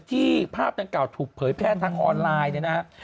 ที่ภาพตังค์เก่าถูกเผยแพร่ทั้งออนไลน์นะครับ